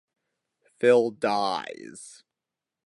Phil dies.